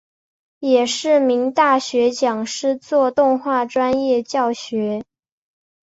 也是名大学讲师做动画专业教学。